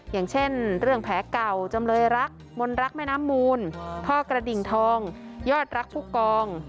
อย่างเช่นเรื่องแผลเก่าจำเลยรักมนรักแม่น้ำมูลพ่อกระดิ่งทองยอดรักผู้กอง